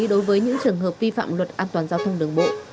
đối với những trường hợp vi phạm luật an toàn giao thông đường bộ